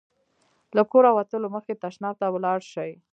له کوره وتلو مخکې تشناب ته ولاړ شئ.